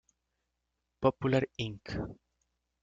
Popular, Inc.